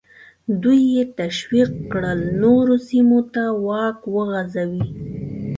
دوی یې تشویق کړل نورو سیمو ته واک وغځوي.